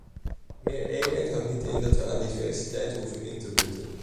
Meer eenheid houdt niet in dat we aan diversiteit hoeven in te boeten.